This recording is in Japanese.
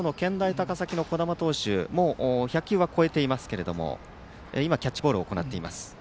高崎の小玉投手も１００球を超えていますけどキャッチボールを行っています。